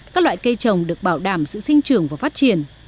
các loại cây trồng được bảo đảm sự sinh trưởng và phát triển